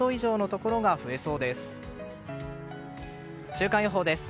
週間予報です。